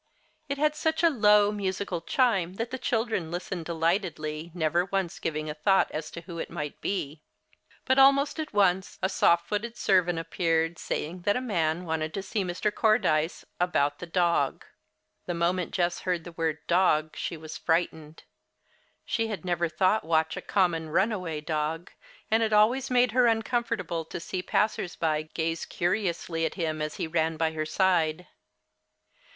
It had such a low, musical chime that the children listened delightedly, never once giving a thought as to who it might be. But almost at once a soft footed servant appeared, saying that a man wanted to see Mr. Cordyce "about the dog." The moment Jess heard that word "dog" she was frightened. She had never thought Watch a common runaway dog, and it always made her uncomfortable to see passers by gaze curiously at him as he ran by her side.